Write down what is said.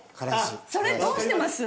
それどうしてます？